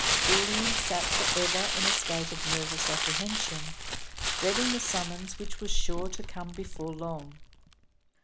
Julian sat for ever in a state of nervous apprehension, dreading the summons which was sure to come before long.